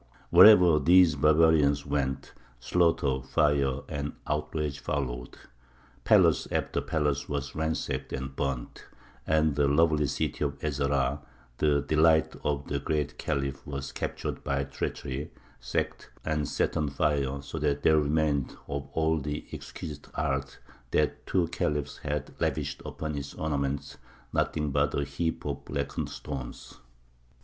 Wherever these barbarians went, slaughter, fire and outrage followed. Palace after palace was ransacked and burnt, and the lovely city of Ez Zahrā, the delight of the Great Khalif, was captured by treachery, sacked, and set on fire, so that there remained of all the exquisite art that two khalifs had lavished upon its ornament nothing but a heap of blackened stones.